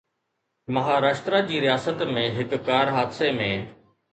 مهاراشٽر جي رياست ۾ هڪ ڪار حادثي ۾